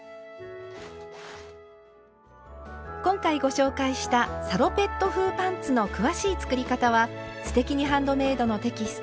今回ご紹介した「サロペット風パンツ」の詳しい作り方は「すてきにハンドメイド」のテキスト